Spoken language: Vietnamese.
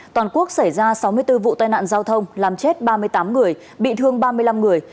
toàn quốc xảy ra sáu mươi bốn vụ tai nạn giao thông làm chết ba mươi tám người bị thương ba mươi năm người